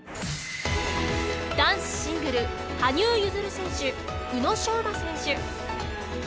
男子シングル羽生結弦選手宇野昌磨選手。